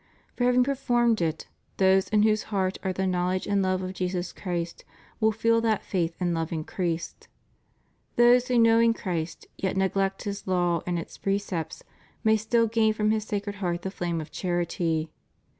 For having performed it, those in w^hose hearts are the knowledge and love of Jesus Christ will feel that faith and love increased. Those who knowing Christ, yet neglect His law and its precepts, may still gain from His Sacred Heart the flame of charity.